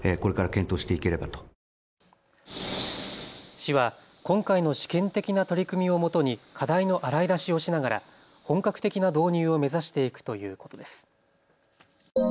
市は今回の試験的な取り組みをもとに課題の洗い出しをしながら本格的な導入を目指していくということです。